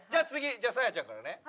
じゃあサーヤちゃんからね。